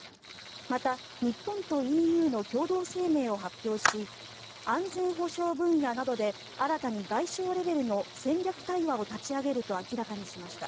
また、日本とＥＵの共同声明を発表し安全保障分野などで新たに外相レベルの戦略対話を立ち上げると明らかにしました。